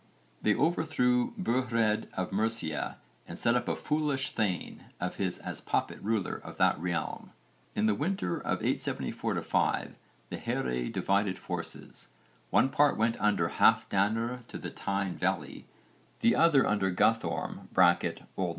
They overthrew Burhred of Mercia and set up a foolish thegn of his as puppet ruler of that realm. In the winter of 874 5 the here divided forces: one part went under Halfdanr to the Tyne valley, the other under Guthrum (O.N.